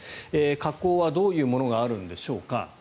加工はどういうものがあるんでしょうか。